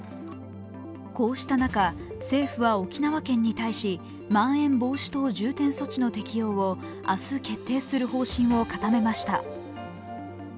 こうした中、政府は沖縄県に対しまん延防止等重点措置の適用を明日決定する方針を固めました。